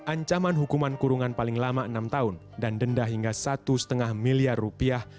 ancaman hukuman kurungan paling lama enam tahun dan denda hingga satu lima miliar rupiah